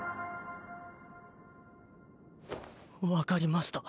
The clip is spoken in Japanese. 分かりました。